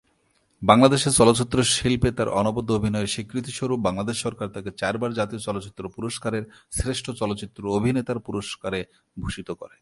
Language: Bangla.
বাংলাদেশের চলচ্চিত্র শিল্পে তার অনবদ্য অভিনয়ের স্বীকৃতিস্বরূপ বাংলাদেশ সরকার তাকে চারবার জাতীয় চলচ্চিত্র পুরস্কারের শ্রেষ্ঠ চলচ্চিত্র অভিনেতার পুরস্কারে ভূষিত করে।